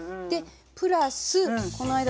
プラスこの間